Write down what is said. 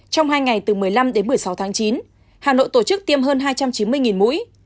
trong hai ngày từ một mươi năm đến một mươi sáu tháng chín hà nội tổ chức tiêm hơn hai trăm chín mươi mũi